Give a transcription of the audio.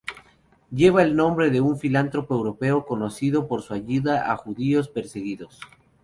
Lleva el nombre de un filántropo europeo conocido por su ayuda a judíos perseguidos.